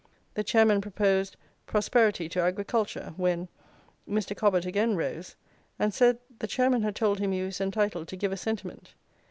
"The Chairman proposed 'Prosperity to Agriculture,' when "Mr. Cobbett again rose, and said the Chairman had told him he was entitled to give a sentiment.